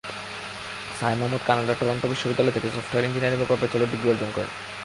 সায়েম আহমেদ কানাডার টরন্টো বিশ্ববিদ্যালয় থেকে সফটওয়্যার ইঞ্জিনিয়ারিংয়ের ওপর ব্যাচেলর ডিগ্রি অর্জন করেন।